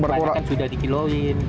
banyak kan sudah dikilowin